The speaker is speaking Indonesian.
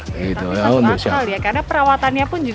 tapi satu akal ya karena perawatannya pun juga